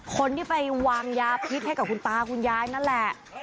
คนที่ไปวางยาพิษให้กับคุณตาคุณยายนั่นแหละ